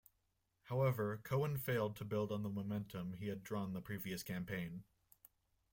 However, Cowan failed to build on the momentum he had drawn the previous campaign.